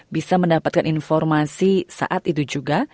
bisa mendapatkan informasi saat itu juga